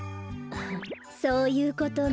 そういうことね。